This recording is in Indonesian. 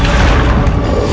saya akan keluar